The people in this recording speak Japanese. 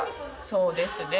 そうですね